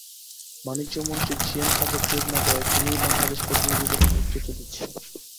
বাণিজ্যমন্ত্রী G M Kader যোগ না দেওয়ায় তিনিই বাংলাদেশ প্রতিনিধিদলের নেতৃত্ব দিচ্ছেন।